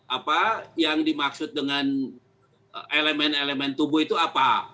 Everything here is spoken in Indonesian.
apa yang dimaksud dengan elemen elemen tubuh itu apa